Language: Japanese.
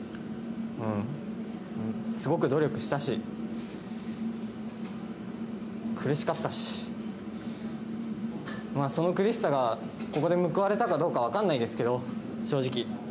すごく努力したし、苦しかったし、その苦しさが、ここで報われたかどうか分かんないですけど、正直。